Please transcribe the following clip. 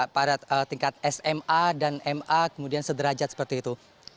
pada tingkat sma dan ma kemudian sederajat seperti itu